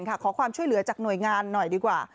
ขอความช่วยเหลือจากหน่วยงานหน่อยดีกว่า